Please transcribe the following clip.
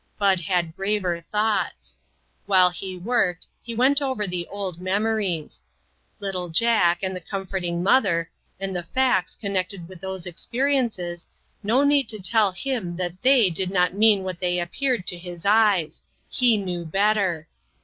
Bud had graver thoughts. While he worked he went over the old memories. Little Jack, and the comforting mother, and the facts connected with those experiences, no need to tell him that they did not mean what they appeared to his eyes ; he knew better.